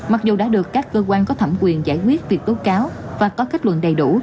mặc dù đã được các cơ quan có thẩm quyền giải quyết việc tố cáo và có kết luận đầy đủ